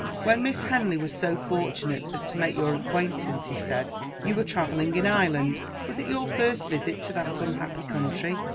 "When Miss Henley was so fortunate as to make your acquaintance," he said, "you were travelling in Ireland. Was it your first visit to that unhappy country?"